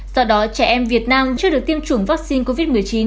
do đó trẻ em việt nam chưa được tiêm chủng vaccine covid một mươi chín